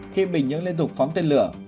khi bình nhưỡng liên tục phóng tên lửa